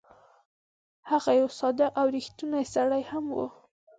هغه یو صادق او ریښتونی سړی هم وو.